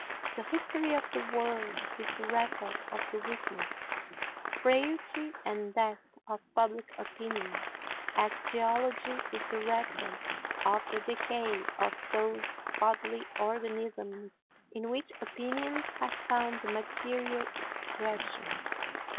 The history of the world is the record of the weakness, frailty and death of public opinion, as geology is the record of the decay of those bodily organisms in which opinions have found material expression.